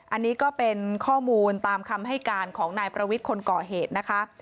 อันนี้ก็เป็นข้อมูลตามคำให้การของนายประวิทย์คนก่อเหตุนะคะ